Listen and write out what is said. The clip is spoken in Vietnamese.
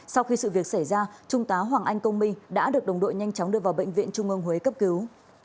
sau khi sự việc xảy ra trung tá hoàng anh công minh đã được đồng đội nhanh chóng đưa vào bệnh viện trung ương huế cấp cứu